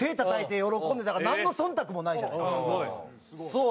そう。